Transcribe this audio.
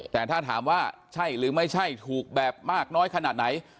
แต่ถ้าถามว่าใช่หรือไม่ใช่ถูกแบบมากน้อยขนาดไหน